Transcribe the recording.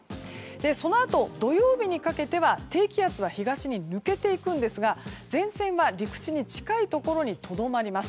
そのあと、土曜日にかけては低気圧は東に抜けていきますが前線は陸地に近いところにとどまります。